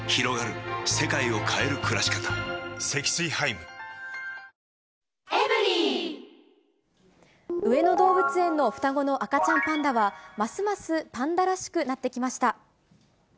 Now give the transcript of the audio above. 目の前が真っ白になるほど強上野動物園の双子の赤ちゃんパンダは、ますますパンダらしくなってきました。